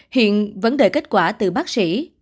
hiện vẫn đợi kết quả từ bác sĩ